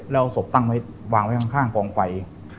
แล้วศพตั้งไว้วางไว้ข้างกองไฟ